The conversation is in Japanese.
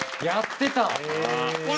やってた。